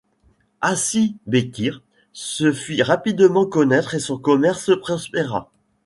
Hacı Bekır se fit rapidement connaître et son commerce prospéra.